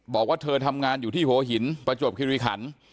บอกว่าเธอทำงานอยู่ที่หัวหินประจวบคิริขัน